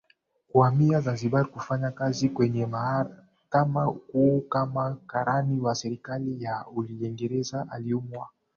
kuhamia Zanzibar kufanya kazi kwenye mahakama kuu kama karani wa serikali ya Uingerezea Alimuoa